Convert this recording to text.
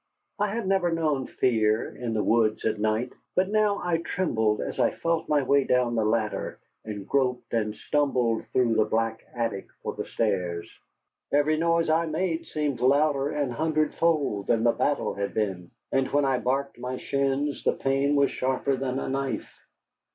I had never known fear in the woods at night. But now I trembled as I felt my way down the ladder, and groped and stumbled through the black attic for the stairs. Every noise I made seemed louder an hundred fold than the battle had been, and when I barked my shins, the pain was sharper than a knife.